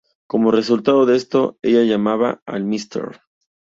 Como resultado de esto, ella llama al Mr.